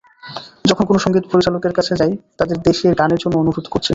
যখন কোনো সংগীত পরিচালকের কাছে যাই, তাঁদের দেশের গানের জন্য অনুরোধ করেছি।